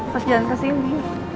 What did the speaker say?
pas jalan kesini